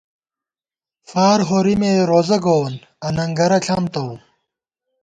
فار ہورِمے روزہ گووون اننگرہ ݪم تَوُم